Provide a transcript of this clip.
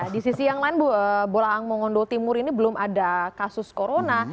di sisi yang lain bu bolaang mongondo timur ini belum ada kasus corona